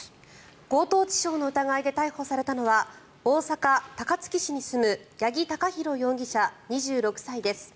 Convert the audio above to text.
強盗致傷の疑いで逮捕されたのは大阪・高槻市に住む八木貴寛容疑者、２６歳です。